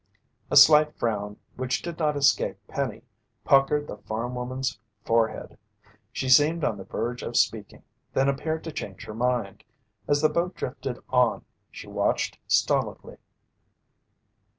A slight frown which did not escape Penny, puckered the farm woman's forehead. She seemed on the verge of speaking, then appeared to change her mind. As the boat drifted on, she watched stolidly.